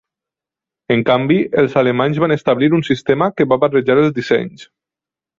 En canvi, els alemanys van establir un sistema que va barrejar els dissenys.